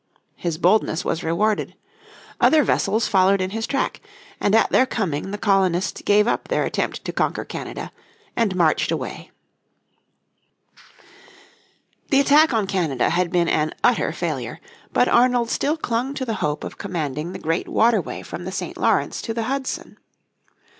His boldness was rewarded. Other vessels followed in his track, and at their coming the colonists gave up their attempt to conquer Canada, and marched away. The attack on Canada had been an utter failure, but Arnold still clung to the hope of commanding the great waterway from the St. Lawrence to the Hudson.